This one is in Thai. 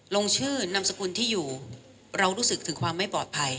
ลงชื่อนามสกุลที่อยู่เรารู้สึกถึงความไม่ปลอดภัย